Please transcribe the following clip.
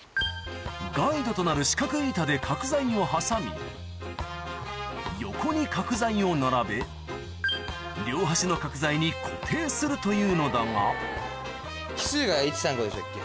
ガイドとなる四角い板で角材を挟み横に角材を並べ両端の角材に固定するというのだが奇数が１・３・５でしたっけ？